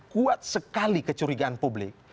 kuat sekali kecurigaan publik